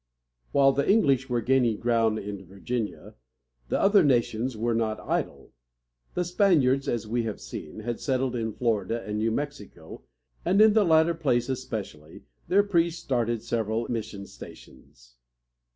While the English were gaining ground in Virginia, the other nations were not idle. The Spaniards, as we have seen, had settled in Florida and New Mexico, and, in the latter place especially, their priests started several mission stations.